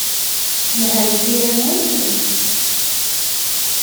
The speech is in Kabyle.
Lhant tira-nwent, naɣ?